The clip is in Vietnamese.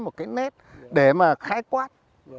một cái nét để mà khái quát